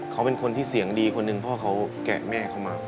เขาเป็นคนที่เสียงดีคนนึงพ่อเขาแกะแม่เขามา